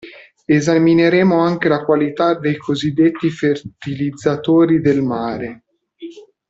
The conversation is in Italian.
Esamineremo anche le qualità dei così detti fertilizzatori del mare.